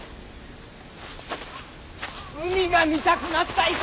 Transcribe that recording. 海が見たくなった。